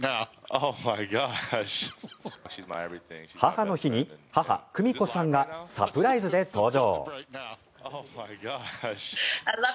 母の日に母・久美子さんがサプライズで登場。